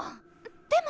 でも。